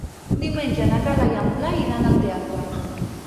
Diumenge na Carla i en Blai iran al teatre.